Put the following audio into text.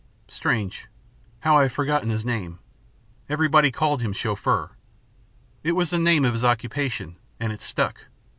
strange, how I have forgotten his name. Everybody called him Chauffeur it was the name of his occupation, and it stuck.